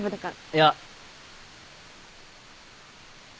いや。